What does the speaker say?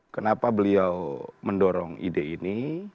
kenapa beliau mendorong ide ini